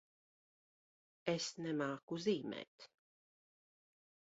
Es nemāku zīmēt.